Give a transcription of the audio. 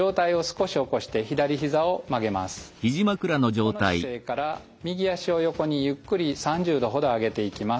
この姿勢から右脚を横にゆっくり３０度ほど上げていきます。